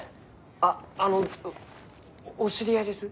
あっあのお知り合いです？